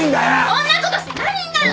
そんなことして何になるの？